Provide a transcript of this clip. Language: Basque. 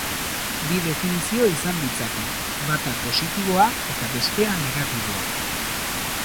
Bi definizio izan ditzake, bata positiboa eta bestea negatiboa.